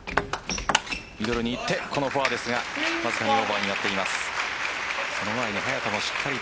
ミドルにいってこのフォアですがわずかにオーバーになっています。